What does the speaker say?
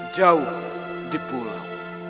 jauh di pulau